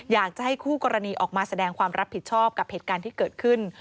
อยากจะให้คู่กรณีออกมาแสดงความรับผิดชอบกับเหตุการณ์ที่เกิดขึ้น